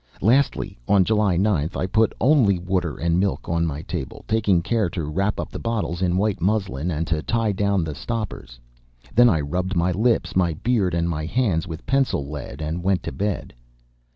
Lastly, on July 9th I put only water and milk on my table, taking care to wrap up the bottles in white muslin and to tie down the stoppers. Then I rubbed my lips, my beard and my hands with pencil lead, and went to bed.